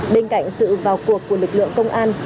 bên cạnh sự vào cuộc của lực lượng công an